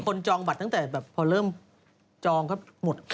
จองบัตรตั้งแต่แบบพอเริ่มจองก็หมด